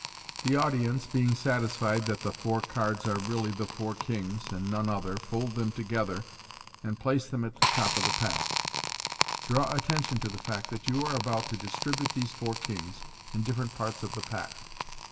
The audience being satisfied that the four cards are really 48 MODERN MAGIC. the four kings, and none other, fold them together, and place them at the top of the pack. Draw attention to the fact that you are about to distribute these four kings in different parts of the pack.